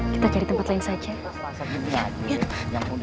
kita cari tempat lain saja